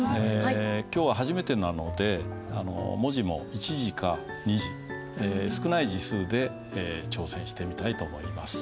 今日は初めてなので文字も１字か２字少ない字数で挑戦してみたいと思います。